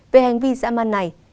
về hành vi dã man này